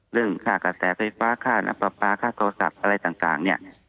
เรื่องค่ากระแสไฟฟ้าค่าน้ำปลาปลาค่าโทรศัพท์อะไรต่างเนี่ย